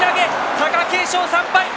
貴景勝、３敗。